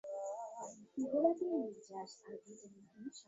কালো এবং সাদার মধ্যে যে বর্ণগুলি, সেগুলি অনেকের মতে, জাতি-মিশ্রণে উৎপন্ন হয়েছে।